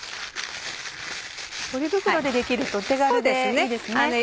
ポリ袋でできると手軽でいいですね。